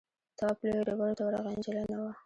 تواب لویو ډبرو ته ورغی نجلۍ نه وه.